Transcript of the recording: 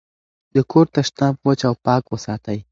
د کور تشناب وچ او پاک وساتئ.